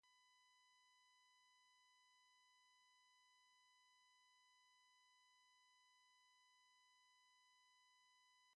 The rule is often observed by warriors for some time after their victorious return.